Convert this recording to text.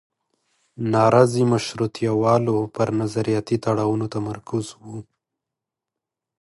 نارضي مشروطیه والو پر نظریاتي تړاوونو تمرکز و.